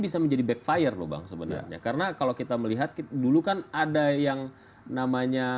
bisa menjadi backfire lubang sebenarnya karena kalau kita melihat dulu kan ada yang namanya